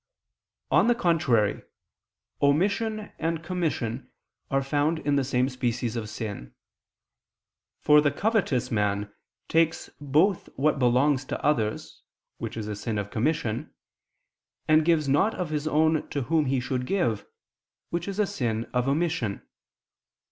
On the contrary, Omission and commission are found in the same species of sin. For the covetous man both takes what belongs to others, which is a sin of commission; and gives not of his own to whom he should give, which is a sin of omission.